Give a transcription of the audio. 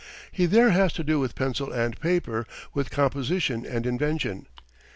He there has to do with pencil and paper, with composition and invention.